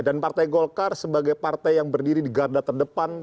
dan partai golkar sebagai partai yang berdiri di garda terdepan